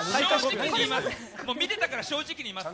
見てたから正直に言います。